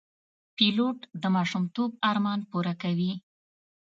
پیلوټ د ماشومتوب ارمان پوره کوي.